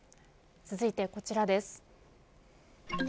続いてこちらです。